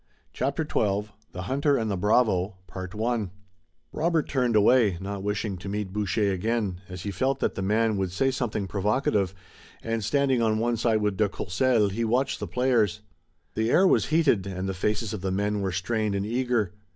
CHAPTER XII THE HUNTER AND THE BRAVO Robert turned away, not wishing to meet Boucher again, as he felt that the man would say something provocative, and, standing on one side with de Courcelles, he watched the players. The air was heated, and the faces of the men were strained and eager.